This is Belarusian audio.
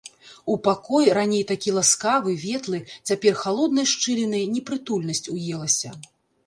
У пакой, раней такі ласкавы, ветлы, цяпер халоднай шчылінай непрытульнасць уелася.